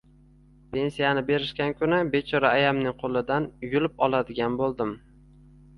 Pensiyasini berishgan kuni bechora ayamning qo`lidan yulib oladigan bo`ldim